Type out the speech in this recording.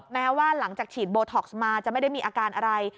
แม้ว่าหลังจากฉีดโบท็อกซ์มาจะไม่ได้มีอาการอะไร